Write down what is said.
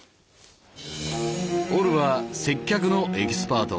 オルは接客のエキスパート。